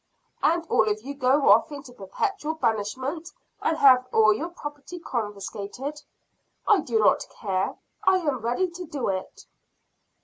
"And all of you go off into perpetual banishment and have all your property confiscated?" "I do not care. I am ready to do it."